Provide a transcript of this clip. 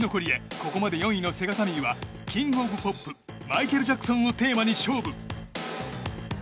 ここまで４位のセガサミーはキング・オブ・ポップマイケル・ジャクソンをテーマに勝負。